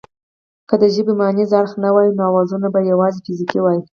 که د ژبې مانیز اړخ نه وای نو اوازونه به یواځې فزیکي وای